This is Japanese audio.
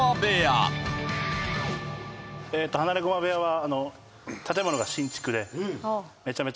放駒部屋は。